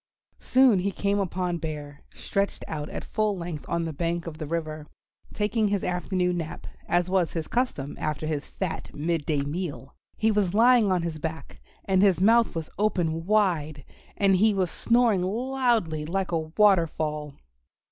Soon he came upon Bear, stretched out at full length on the bank of the river, taking his afternoon nap, as was his custom after his fat midday meal. He was lying on his back, and his mouth was open wide, and he was snoring loudly like a waterfall.